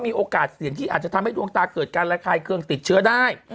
มีโอกาสเสี่ยงที่อาจจะทำให้ดวงตาเกิดการระคายเครื่องติดเชื้อได้